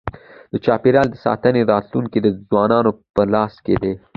د چاپېریال ساتنې راتلونکی د ځوانانو په لاس کي دی.